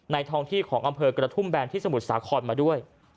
ทองที่ของอำเภอกระทุ่มแบนที่สมุทรสาครมาด้วย